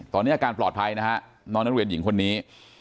ตอนนี้อาการปลอดภัยนะฮะน้องนักเรียนหญิงคนนี้